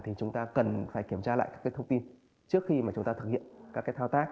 thì chúng ta cần phải kiểm tra lại các thông tin trước khi chúng ta thực hiện các thao tác